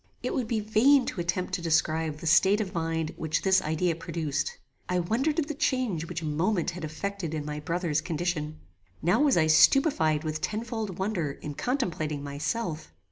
It would be vain to attempt to describe the state of mind which this idea produced. I wondered at the change which a moment had affected in my brother's condition. Now was I stupified with tenfold wonder in contemplating myself.